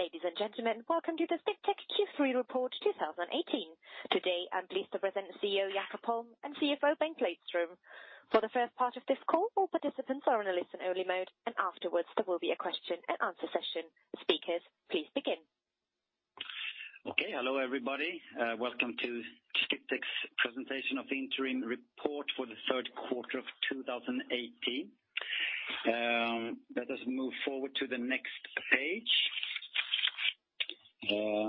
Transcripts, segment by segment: Ladies and gentlemen, welcome to the Sdiptech Q3 report 2018. Today, I'm pleased to present CEO, Jakob Holm, and CFO, Bengt Lejdström. For the first part of this call, all participants are on a listen-only mode. Afterwards there will be a question and answer session. Speakers, please begin. Okay. Hello, everybody. Welcome to Sdiptech's presentation of the interim report for the third quarter of 2018. Let us move forward to the next page.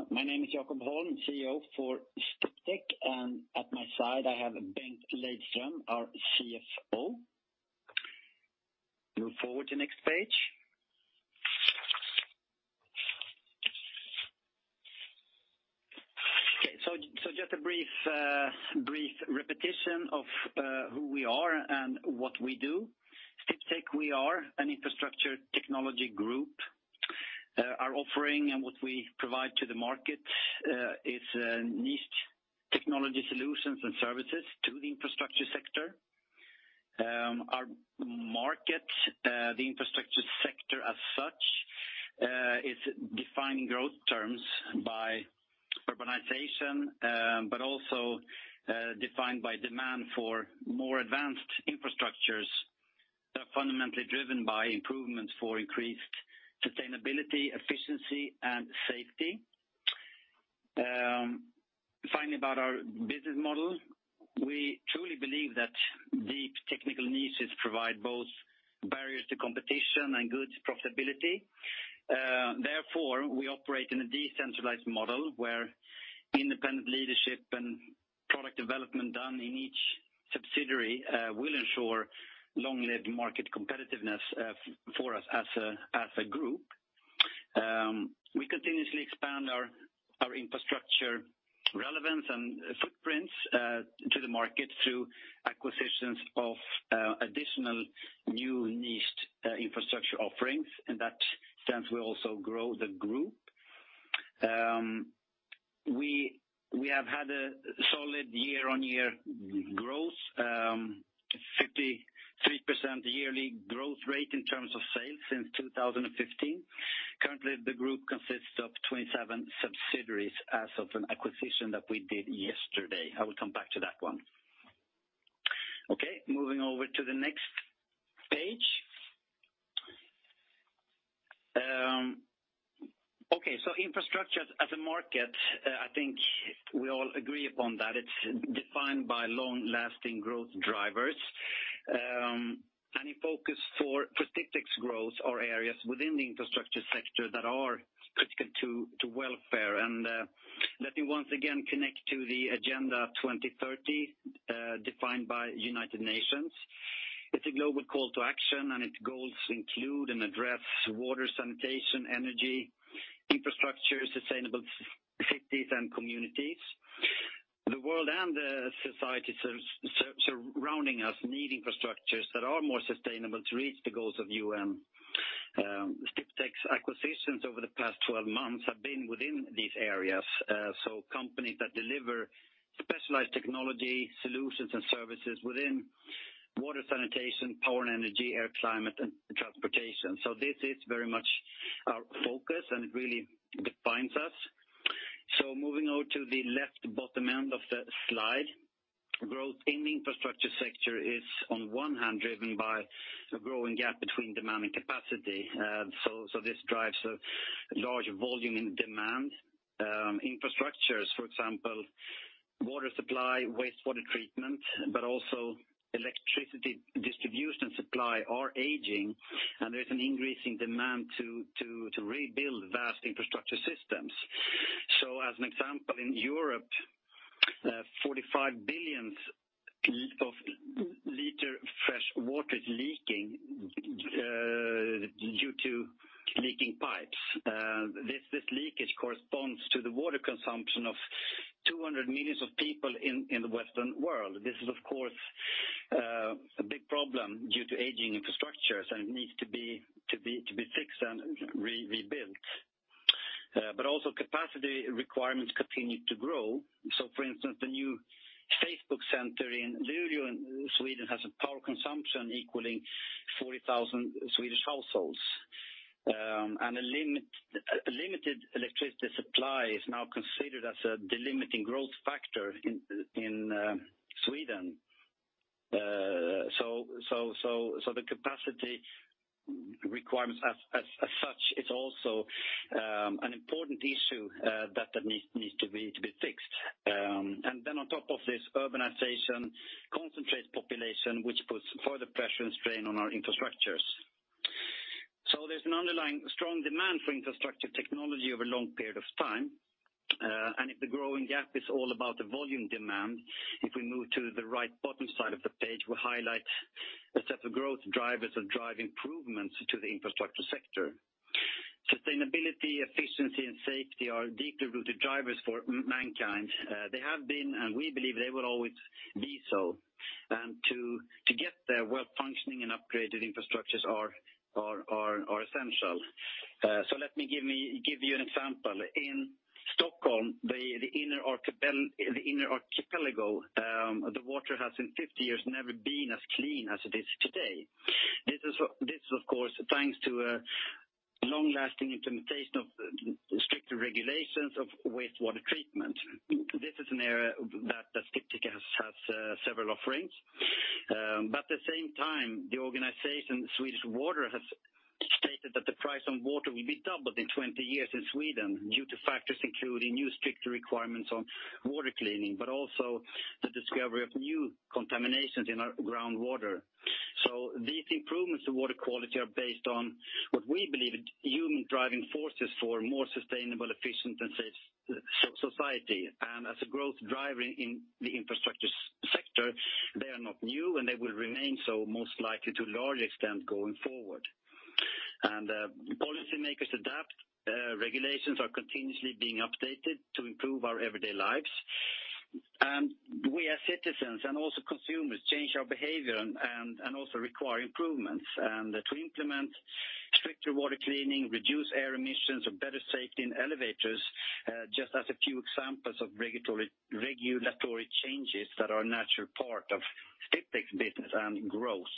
My name is Jakob Holm, CEO for Sdiptech. At my side I have Bengt Lejdström, our CFO. Move forward to next page. Just a brief repetition of who we are and what we do. Sdiptech, we are an infrastructure technology group. Our offering and what we provide to the market is niched technology solutions and services to the infrastructure sector. Our market, the infrastructure sector as such, is defined in growth terms by urbanization, also defined by demand for more advanced infrastructures that are fundamentally driven by improvements for increased sustainability, efficiency, and safety. Finally, about our business model. We truly believe that deep technical niches provide both barriers to competition and good profitability. Therefore, we operate in a decentralized model where independent leadership and product development done in each subsidiary will ensure long-lived market competitiveness for us as a group. We continuously expand our infrastructure relevance and footprints to the market through acquisitions of additional new niched infrastructure offerings. In that sense, we also grow the group. We have had a solid year-on-year growth, 53% yearly growth rate in terms of sales since 2015. Currently, the group consists of 27 subsidiaries as of an acquisition that we did yesterday. I will come back to that one. Moving over to the next page. Infrastructure as a market, I think we all agree upon that it's defined by long-lasting growth drivers. In focus for Sdiptech's growth are areas within the infrastructure sector that are critical to welfare, and let me once again connect to the Agenda 2030, defined by United Nations. It's a global call to action. Its goals include and address water sanitation, energy, infrastructure, sustainable cities and communities. The world and the society surrounding us need infrastructures that are more sustainable to reach the goals of UN. Sdiptech's acquisitions over the past 12 months have been within these areas. Companies that deliver specialized technology solutions and services within water sanitation, power and energy, air climate, and transportation. This is very much our focus. It really defines us. Moving over to the left bottom end of the slide. Growth in the infrastructure sector is on one hand driven by a growing gap between demand and capacity. This drives a large volume in demand. Infrastructures, for example, water supply, wastewater treatment, also electricity distribution supply are aging. There is an increasing demand to rebuild vast infrastructure systems. As an example, in Europe, 45 billion liters of fresh water is leaking due to leaking pipes. This leakage corresponds to the water consumption of 200 million people in the Western world. This is, of course, a big problem due to aging infrastructures and it needs to be fixed and rebuilt. Also capacity requirements continue to grow. For instance, the new Facebook center in Luleå in Sweden has a power consumption equaling 40,000 Swedish households. A limited electricity supply is now considered as a delimiting growth factor in Sweden. The capacity requirements as such, it's also an important issue that needs to be fixed. On top of this, urbanization concentrates population which puts further pressure and strain on our infrastructures. There's an underlying strong demand for infrastructure technology over a long period of time. If the growing gap is all about the volume demand, if we move to the right bottom side of the page, we highlight a set of growth drivers that drive improvements to the infrastructure sector. Sustainability, efficiency, and safety are deeply rooted drivers for mankind. They have been, and we believe they will always be so. To get there, well-functioning and upgraded infrastructures are essential. Let me give you an example. On the inner archipelago, the water has in 50 years never been as clean as it is today. This is, of course, thanks to a long-lasting implementation of stricter regulations of wastewater treatment. This is an area that Sdiptech has several offerings. At the same time, the organization, Svenskt Vatten, has stated that the price on water will be doubled in 20 years in Sweden due to factors including new stricter requirements on water cleaning, but also the discovery of new contaminations in our groundwater. These improvements to water quality are based on what we believe are human driving forces for a more sustainable, efficient, and safe society. As a growth driver in the infrastructure sector, they are not new, and they will remain so most likely to a large extent going forward. Policymakers adapt. Regulations are continuously being updated to improve our everyday lives. We, as citizens and also consumers, change our behavior and also require improvements. To implement stricter water cleaning, reduce air emissions, or better safety in elevators, just as a few examples of regulatory changes that are a natural part of Sdiptech's business and growth.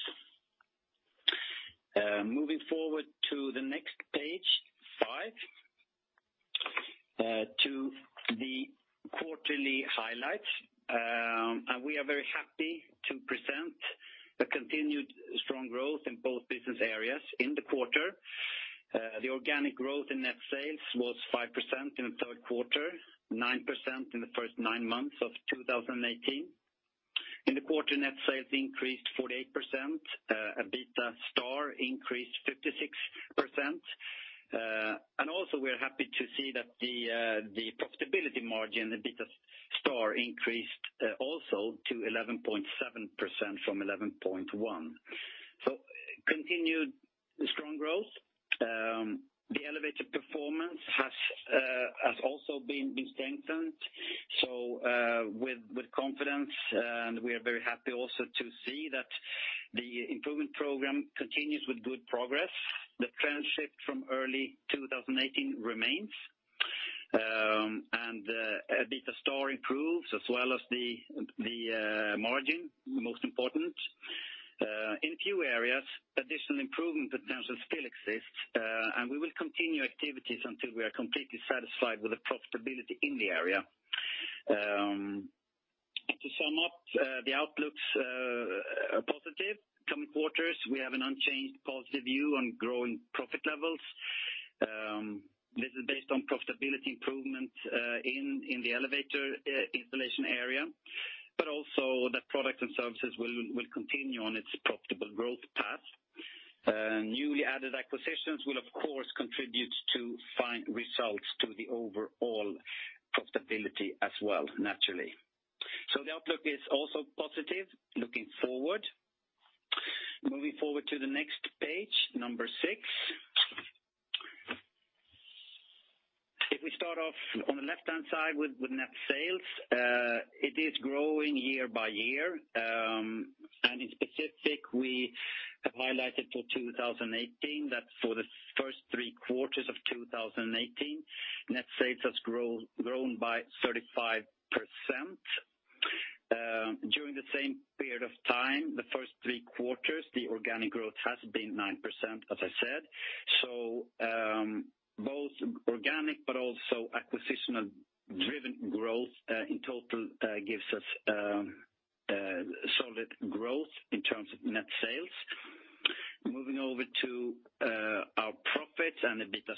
Moving forward to the next page 5, to the quarterly highlights. We are very happy to present the continued strong growth in both business areas in the quarter. The organic growth in net sales was 5% in the third quarter, 9% in the first nine months of 2018. In the quarter, net sales increased 48%. EBITA* increased 56%. Also, we are happy to see that the profitability margin, the EBITA*, increased also to 11.7% from 11.1%. Continued strong growth. The elevator performance has also been strengthened with confidence, and we are very happy also to see that the improvement program continues with good progress. The trend shift from early 2018 remains. EBITA* improves as well as the margin, most important. In a few areas, additional improvement potential still exists, and we will continue activities until we are completely satisfied with the profitability in the area. To sum up, the outlook's positive. Coming quarters, we have an unchanged positive view on growing profit levels. This is based on profitability improvement in the elevator installation area, also that products and services will continue on its profitable growth path. Newly added acquisitions will, of course, contribute to fine results to the overall profitability as well, naturally. The outlook is also positive looking forward. Moving forward to the next page six. If we start off on the left-hand side with net sales, it is growing year by year. In specific, we have highlighted for 2018 that for the first three quarters of 2018, net sales has grown by 35%. During the same period of time, the first three quarters, the organic growth has been 9%, as I said. Both organic also acquisitional-driven growth in total gives us solid growth in terms of net sales. Moving over to our profits and EBITA*,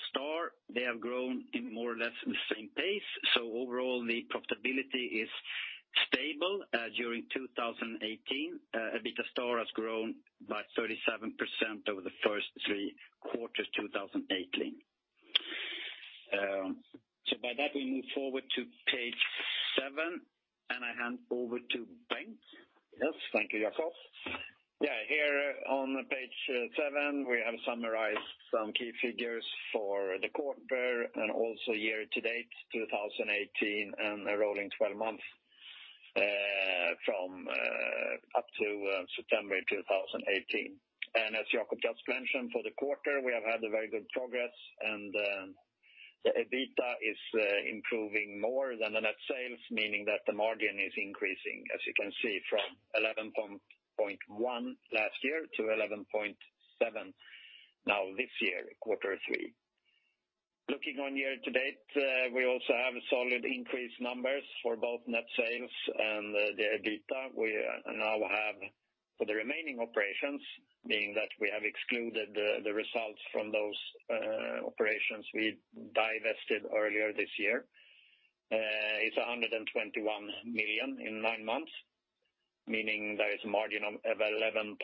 they have grown in more or less the same pace. Overall, the profitability is stable during 2018. EBITA* has grown by 37% over the first three quarters, 2018. By that, we move forward to page seven, and I hand over to Bengt. Yes. Thank you, Jakob. Here on page seven, we have summarized some key figures for the quarter and also year to date, 2018, and the rolling 12 months from up to September 2018. As Jakob just mentioned, for the quarter, we have had a very good progress, and the EBITA is improving more than the net sales, meaning that the margin is increasing, as you can see, from 11.1 last year to 11.7 now this year, Q3. Looking on year to date, we also have solid increased numbers for both net sales and the EBITA. We now have for the remaining operations, meaning that we have excluded the results from those operations we divested earlier this year. It's 121 million in 9 months, meaning there is a margin of 11.2.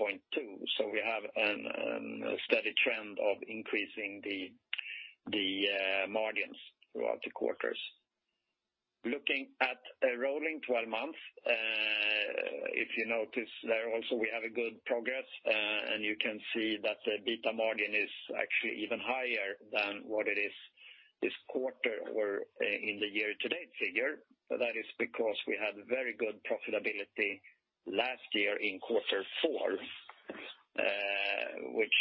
We have a steady trend of increasing the margins throughout the quarters. Looking at a rolling 12 months, if you notice there also we have a good progress, and you can see that the EBITA margin is actually even higher than what it is this quarter or in the year-to-date figure. That is because we had very good profitability last year in Q4, which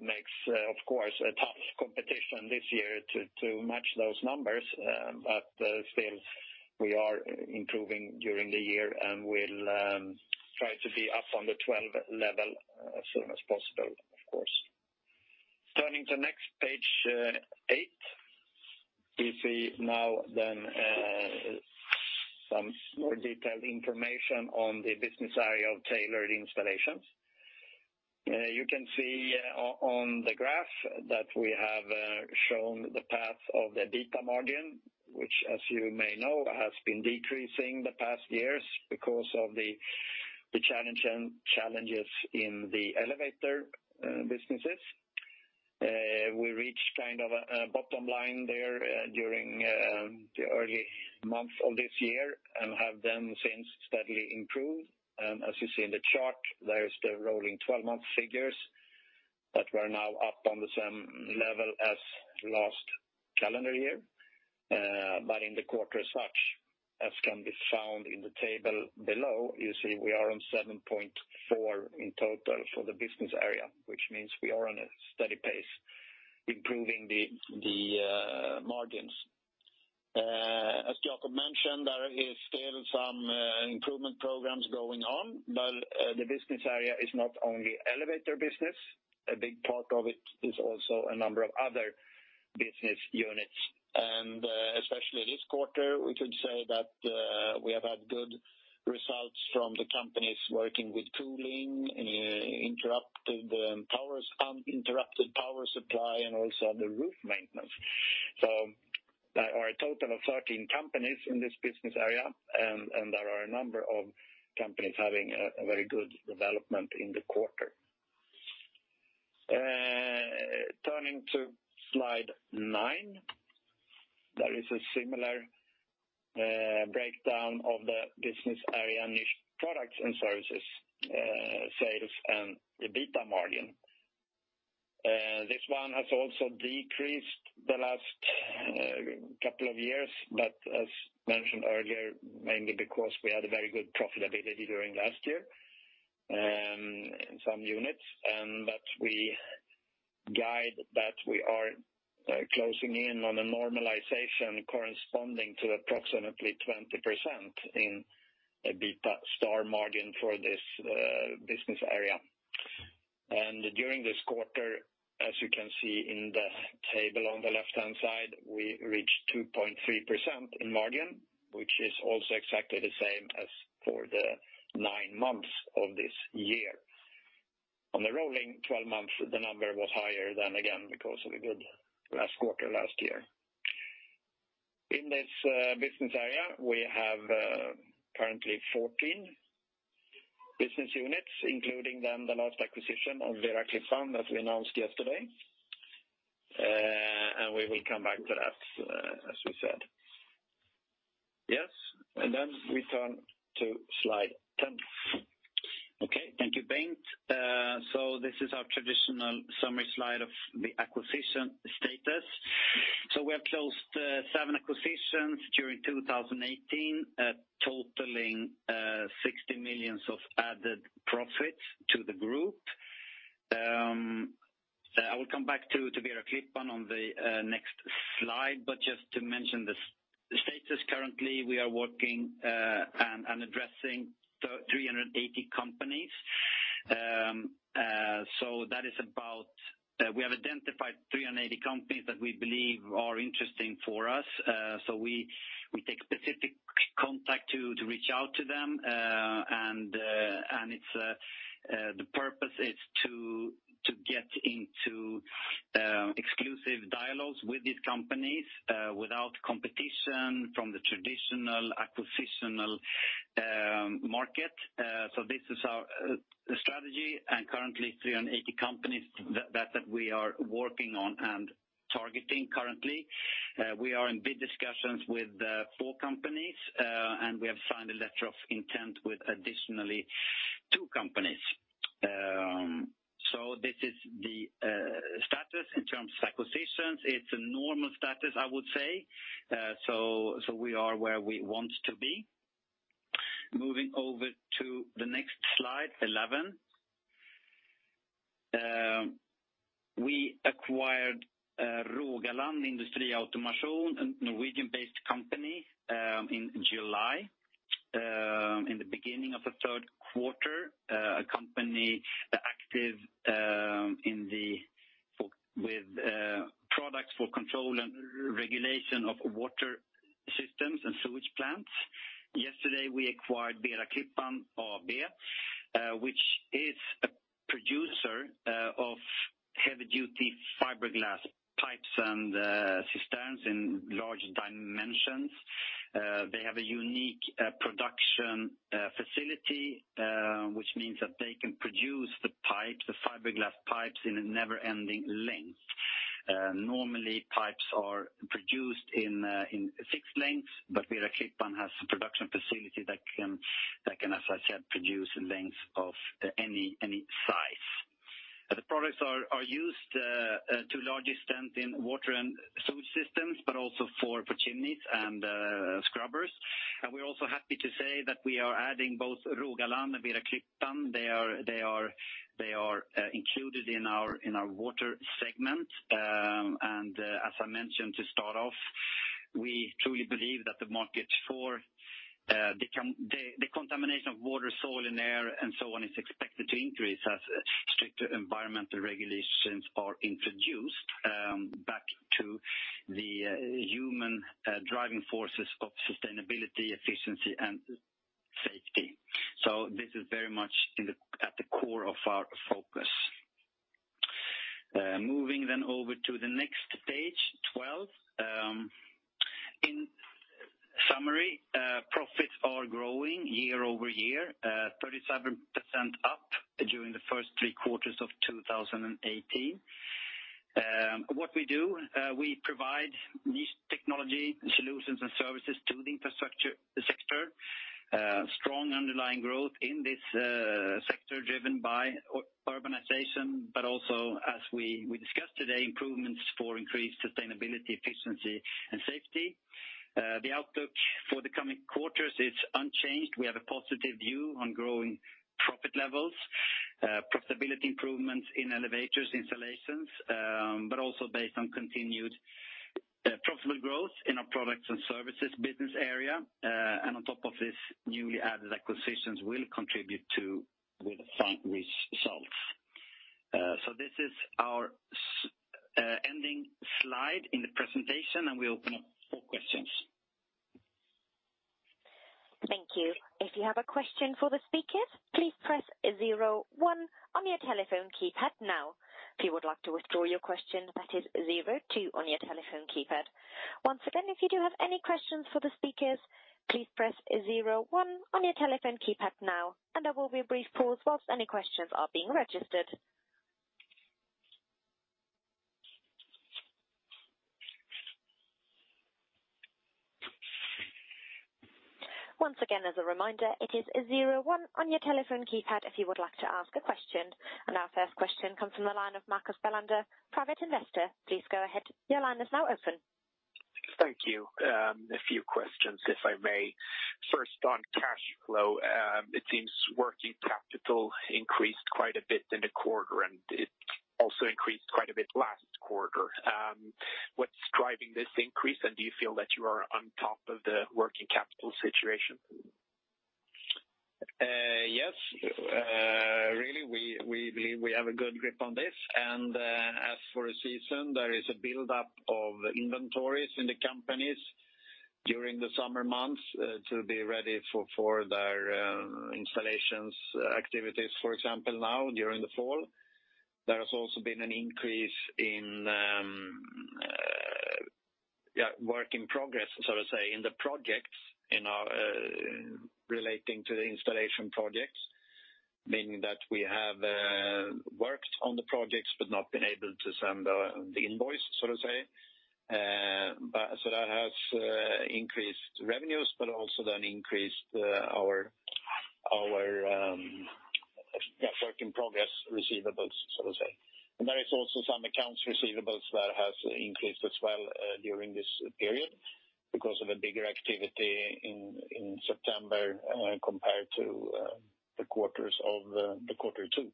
makes, of course, a tough competition this year to match those numbers. Still, we are improving during the year, and we'll try to be up on the 12 level as soon as possible, of course. Turning to next, page eight. We see now some more detailed information on the business area of tailored installations. You can see on the graph that we have shown the path of the EBITA margin, which as you may know, has been decreasing the past years because of the challenges in the elevator businesses. We reached kind of a bottom line there during the early months of this year and have since steadily improved. As you see in the chart, there is the rolling 12-month figures that were now up on the same level as last calendar year. In the quarter as such, as can be found in the table below, you see we are on 7.4% in total for the business area, which means we are on a steady pace, improving the margins. As Jakob mentioned, there is still some improvement programs going on, but the business area is not only elevator business. A big part of it is also a number of other business units. Especially this quarter, we could say that we have had good results from the companies working with cooling, uninterruptible power supply, and also the roof maintenance. There are a total of 13 companies in this business area, and there are a number of companies having a very good development in the quarter. Turning to slide nine. There is a similar breakdown of the business area niche products and services, sales and EBITA* margin. This one has also decreased the last couple of years, but as mentioned earlier, mainly because we had a very good profitability during last year in some units. We guide that we are closing in on a normalization corresponding to approximately 20% in EBITA* margin for this business area. During this quarter, as you can see in the table on the left-hand side, we reached 20.3% in margin, which is also exactly the same as for the nine months of this year. On the rolling 12 months, the number was higher than again because of the good last quarter last year. In this business area, we have currently 14 business units, including the latest acquisition of Vera Klippan that we announced yesterday. We will come back to that, as we said. Yes. We turn to slide 10. Okay. Thank you, Bengt. This is our traditional summary slide of the acquisition status. We have closed seven acquisitions during 2018, totaling 60 million of added profits to the group. I will come back to Vera Klippan on the next slide, but just to mention the status currently, we are working and addressing 380 companies. We have identified 380 companies that we believe are interesting for us. We take specific contact to reach out to them. The purpose is to get into exclusive dialogues with these companies without competition from the traditional acquisitional market. This is our strategy and currently 380 companies that we are working on and targeting currently. We are in bid discussions with four companies, and we have signed a letter of intent with additionally two companies. This is the status in terms of acquisitions. It's a normal status, I would say. We are where we want to be. Moving over to the next slide 11. We acquired Rogaland Industri Automasjon, a Norwegian-based company in July, in the beginning of the third quarter. A company active with products for control and regulation of water systems and sewage plants. Yesterday, we acquired Vera Klippan AB, which is a producer of heavy-duty fiberglass pipes and cisterns in large dimensions. They have a unique production facility, which means that they can produce the fiberglass pipes in a never-ending length. Normally, pipes are produced in fixed lengths, but Vera Klippan has a production facility that can, as I said, produce in lengths of any size. The products are used to a large extent in water and also for chimneys and scrubbers. We are also happy to say that we are adding both Rogaland and Vera Klippan. They are included in our water segment. As I mentioned to start off, we truly believe that the market for the contamination of water, soil, and air, and so on, is expected to increase as stricter environmental regulations are introduced back to the human driving forces of sustainability, efficiency, and safety. This is very much at the core of our focus. Moving over to the next page 12. In summary, profits are growing year-over-year. 37% up during the first three quarters of 2018. What we do, we provide niche technology solutions and services to the infrastructure sector. Strong underlying growth in this sector driven by urbanization, but also as we discussed today, improvements for increased sustainability, efficiency, and safety. The outlook for the coming quarters is unchanged. We have a positive view on growing profit levels, profitability improvements in elevators installations, but also based on continued profitable growth in our products and services business area. On top of this, newly added acquisitions will contribute to with fine results. This is our ending slide in the presentation, and we open up for questions. Thank you. If you have a question for the speakers, please press 01 on your telephone keypad now. If you would like to withdraw your question, that is 02 on your telephone keypad. Once again, if you do have any questions for the speakers, please press 01 on your telephone keypad now, and there will be a brief pause whilst any questions are being registered. Once again, as a reminder, it is 01 on your telephone keypad if you would like to ask a question. Our first question comes from the line of Marcus Welander, private investor. Please go ahead. Your line is now open. Thank you. A few questions, if I may. First, on cash flow, it seems working capital increased quite a bit in the quarter, and it also increased quite a bit last quarter. What's driving this increase, and do you feel that you are on top of the working capital situation? Yes. Really, we believe we have a good grip on this. As for a season, there is a build-up of inventories in the companies during the summer months to be ready for their installations activities. For example, now during the fall. There has also been an increase in work in progress, so to say, in the projects relating to the installation projects, meaning that we have worked on the projects but not been able to send the invoice. That has increased revenues, but also then increased our work in progress receivables, so to say. There is also some accounts receivables that has increased as well during this period because of a bigger activity in September compared to the quarters of the quarter two.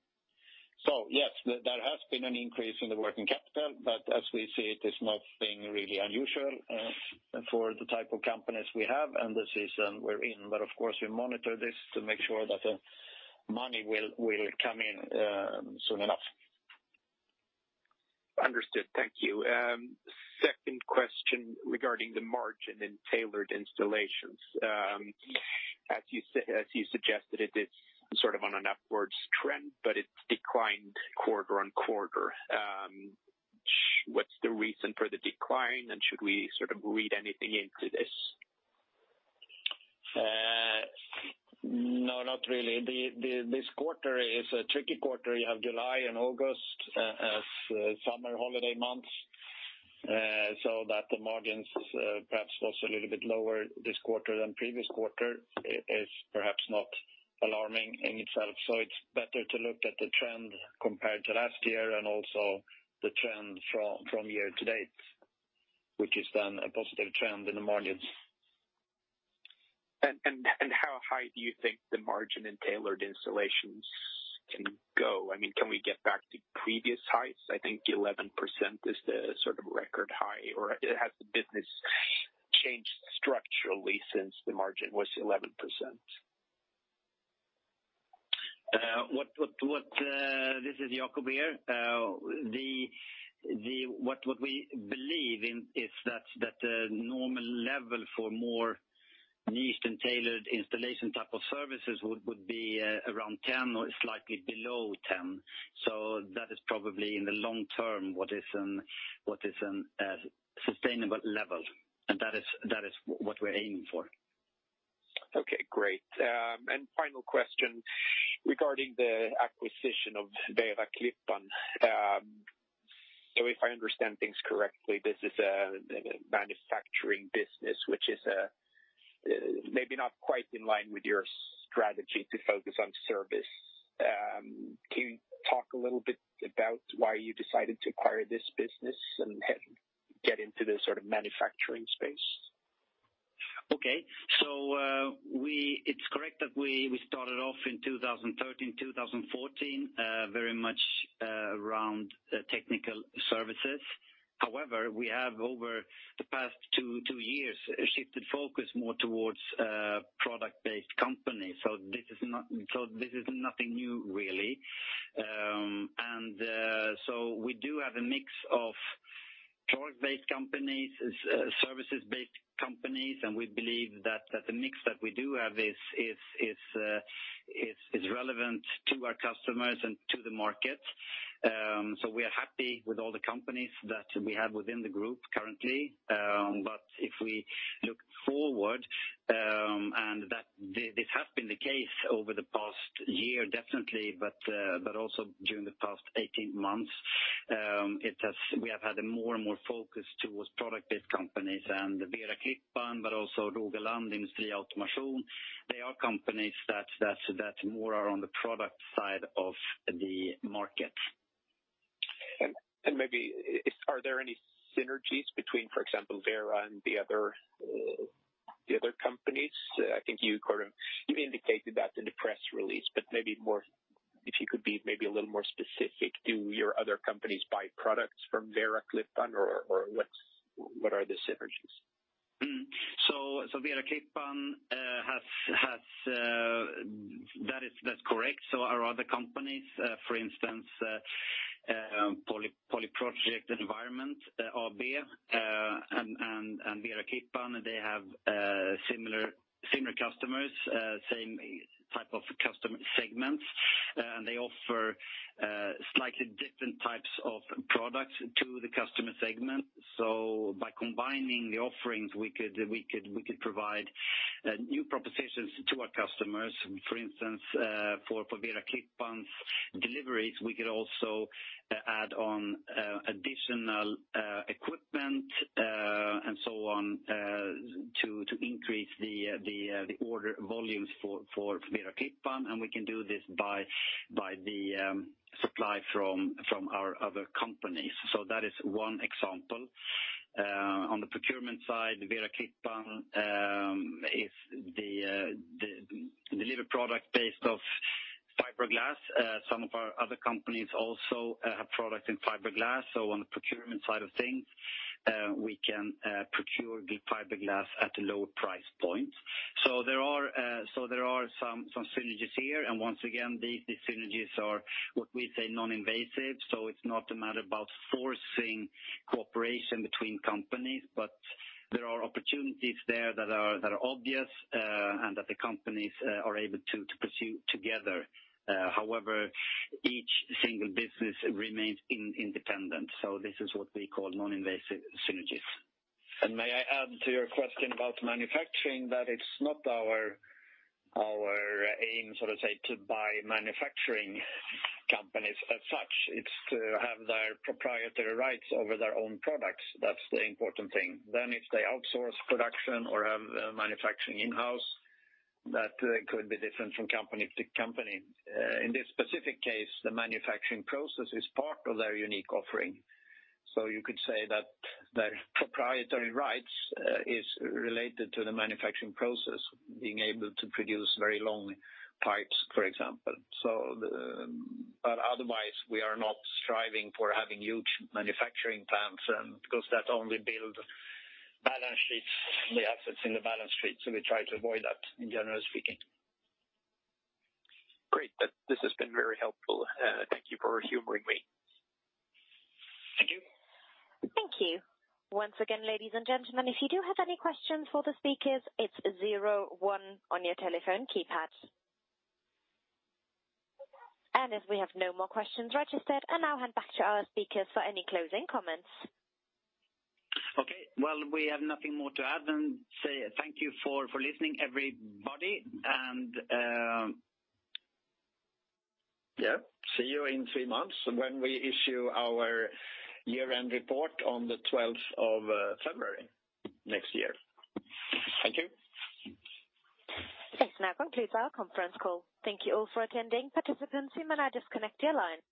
Yes, there has been an increase in the working capital, as we see, it is nothing really unusual for the type of companies we have and the season we're in. Of course, we monitor this to make sure that money will come in soon enough. Understood. Thank you. Second question regarding the margin in tailored installations. As you suggested it's sort of on an upwards trend, but it's declined quarter-on-quarter. What's the reason for the decline, and should we sort of read anything into this? No, not really. This quarter is a tricky quarter. You have July and August as summer holiday months, that the margins perhaps was a little bit lower this quarter than previous quarter is perhaps not alarming in itself. It's better to look at the trend compared to last year and also the trend from year to date, which is then a positive trend in the margins. How high do you think the margin in tailored installations can go? Can we get back to previous heights? I think 11% is the sort of record high, or has the business changed structurally since the margin was 11%? This is Jakob here. What we believe is that the normal level for more niched and tailored installation type of services would be around 10% or slightly below 10%. That is probably in the long term, what is a sustainable level. That is what we're aiming for. Okay, great. Final question regarding the acquisition of Vera Klippan. If I understand things correctly, this is a manufacturing business which is maybe not quite in line with your strategy to focus on service. Can you talk a little bit about why you decided to acquire this business and get into this sort of manufacturing space? Okay. It's correct that we started off in 2013, 2014, very much around technical services. However, we have over the past two years shifted focus more towards product-based company. This is nothing new, really. We do have a mix of product-based companies, services-based companies, and we believe that the mix that we do have is relevant to our customers and to the market. We are happy with all the companies that we have within the group currently. If we look forward, and this has been the case over the past year, definitely, but also during the past 18 months, we have had a more and more focus towards product-based companies and Vera Klippan, but also Rogaland Industri Automasjon. They are companies that more are on the product side of the market. Maybe are there any synergies between, for example, Vera and the other companies? I think you indicated that in the press release, but maybe if you could be a little more specific. Do your other companies buy products from Vera Klippan, or what are the synergies? Vera Klippan, that's correct. Our other companies, for instance, Polyproject Environment AB and Vera Klippan, they have similar customers, same type of customer segments. They offer slightly different types of products to the customer segment. By combining the offerings, we could provide new propositions to our customers. For instance for Vera Klippan's deliveries, we could also add on additional equipment, and so on, to increase the order volumes for Vera Klippan. We can do this by the supply from our other companies. That is one example. On the procurement side, Vera Klippan is the deliver product based off fiberglass. Some of our other companies also have product in fiberglass. On the procurement side of things, we can procure the fiberglass at a lower price point. There are some synergies here, and once again, these synergies are what we say non-invasive, it's not a matter about forcing cooperation between companies, there are opportunities there that are obvious, and that the companies are able to pursue together. However, each single business remains independent. This is what we call non-invasive synergies. May I add to your question about manufacturing, that it's not our aim, so to say, to buy manufacturing companies as such. It's to have their proprietary rights over their own products. That's the important thing. If they outsource production or have manufacturing in-house, that could be different from company to company. In this specific case, the manufacturing process is part of their unique offering. You could say that their proprietary rights is related to the manufacturing process, being able to produce very long pipes, for example. Otherwise, we are not striving for having huge manufacturing plants, because that only build balance sheets and the assets in the balance sheet. We try to avoid that in general speaking. Great. This has been very helpful. Thank you for humoring me. Thank you. Thank you. Once again, ladies and gentlemen, if you do have any questions for the speakers, it's zero one on your telephone keypad. As we have no more questions registered, I now hand back to our speakers for any closing comments. Okay. Well, we have nothing more to add than say thank you for listening, everybody. See you in three months when we issue our year-end report on the 12th of February next year. Thank you. This now concludes our conference call. Thank you all for attending. Participants, you may now disconnect your line.